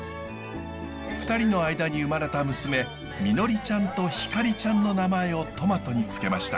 ２人の間に生まれた娘みのりちゃんとひかりちゃんの名前をトマトに付けました。